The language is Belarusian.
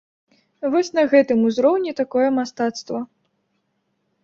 Вось на гэтым узроўні такое мастацтва.